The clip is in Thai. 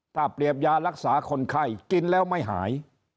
ถ้าเปรียบยารักษาคนไข้กินแล้วไม่หาย